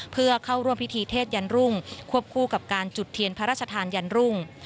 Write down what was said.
เพื่อเข้าร่วมพิธีเทศยันรุ่งควบคู่กับการจุดเทียนพระราชทานยันรุ่ง